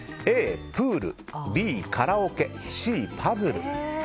Ａ、プールＢ、カラオケＣ、パズル。